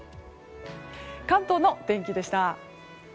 関東の天気でした。